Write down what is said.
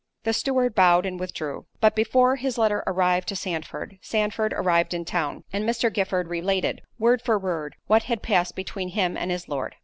The steward bowed and withdrew. But before his letter arrived to Sandford, Sandford arrived in town; and Mr. Giffard related, word for word, what had passed between him and his Lord.